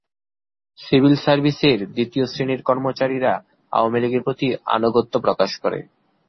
Civil সার্ভিসের দ্বিতীয় শ্রেণির কর্মচারীরা আওয়ামী লীগের প্রতি আনুগত্য প্রকাশ করে।